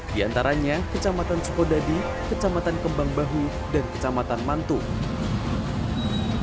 di antaranya kecamatan sukodadi kecamatan kembang bahu dan kecamatan mantung